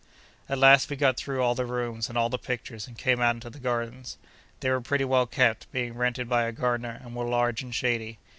At last we got through all the rooms and all the pictures, and came out into the gardens. They were pretty well kept, being rented by a gardener, and were large and shady.